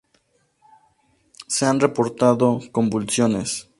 Se han reportado convulsiones.